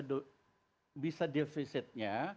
indonesia bisa deficitnya